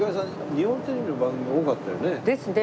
日本テレビの番組多かったよね？ですね。